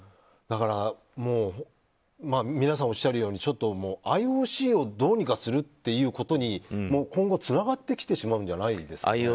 だから皆さんおっしゃるようにＩＯＣをどうにかするということに今後、つながってきてしまうんじゃないですかね。